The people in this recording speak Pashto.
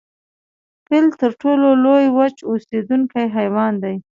فیل تر ټولو لوی وچ اوسیدونکی حیوان دی